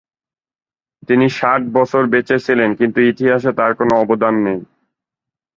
তিনি ষাট বছর বেঁচে ছিলেন কিন্তু ইতিহাসে তাঁর কোন অবদান নেই।